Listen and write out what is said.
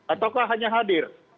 ataukah hanya hadir